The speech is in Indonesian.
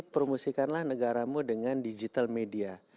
promosikanlah negaramu dengan digital media